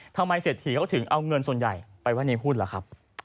เศรษฐีเขาถึงเอาเงินส่วนใหญ่ไปไว้ในหุ้นล่ะครับ